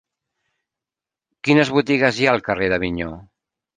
Quines botigues hi ha al carrer d'Avinyó?